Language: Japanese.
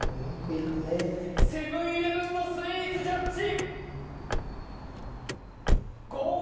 セブン−イレブンのスイーツジャッジ